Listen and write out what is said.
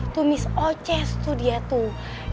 tuh miss oces tuh dia tuh